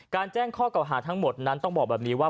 แจ้งข้อเก่าหาทั้งหมดนั้นต้องบอกแบบนี้ว่า